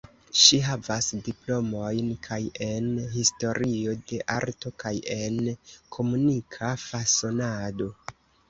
Ŝi havas diplomojn kaj en Historio de Arto kaj en Komunika Fasonado.